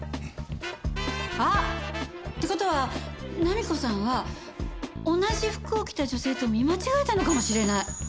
あっ！って事は菜実子さんは同じ服を着た女性と見間違えたのかもしれない。